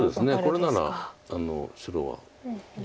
これなら白は。